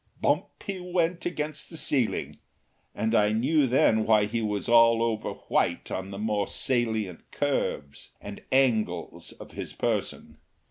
Bump he went against the ceiling, and I knew then why he was all over white on the more salient curves and angles of his person.